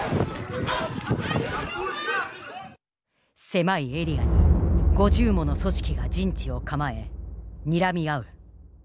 狭いエリアに５０もの組織が陣地を構えにらみ合う。